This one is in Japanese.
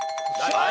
はい。